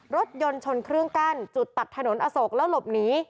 รถยนต์ชนเครื่องกั้นจุดตัดถนนอโศกแล้วหลบหนี